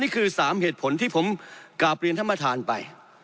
นี่คือสามเหตุผลที่ผมกลับเรียนท่านมาทานไป